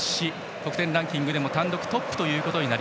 得点ランキングでも単独トップ。